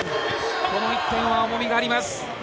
この１点は重みがあります。